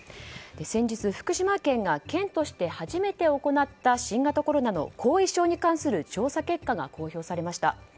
先日、福島県が県として初めて行った新型コロナの後遺症に関する調査結果が公表されました。